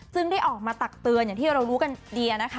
ซึ่งได้ออกมาตักเตือนอย่างที่เรารู้กันดีนะคะ